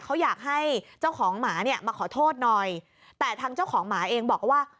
เขาอยากให้เจ้าของหมาเนี่ยมาขอโทษหน่อยแต่ทางเจ้าของหมาเองบอกว่า